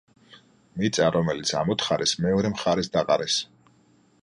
მიწა, რომელიც ამოთხარეს, მეორე მხარეს დაყარეს.